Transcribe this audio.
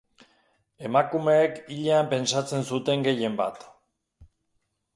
Emakumeek ilean pentsatzen zuten gehienbat.